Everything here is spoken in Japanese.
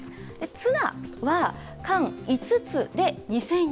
ツナは缶５つで２０００円。